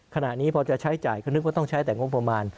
ขณะนี้พอจะใช้จ่ายก็นึกว่าต้องใช้แต่งบประมาณ